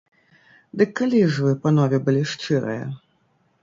Дык калі ж вы, панове, былі шчырыя?